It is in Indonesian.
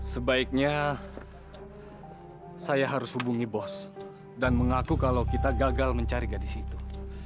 sebaiknya saya harus hubungi bos dan mengaku kalau kita gagal mencari gadis itu